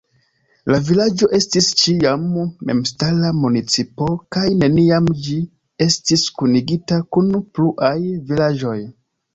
La vilaĝo estis ĉiam memstara municipo kaj neniam ĝi estis kunigita kun pluaj vilaĝoj.